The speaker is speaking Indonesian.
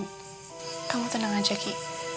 kamu tenang aja ki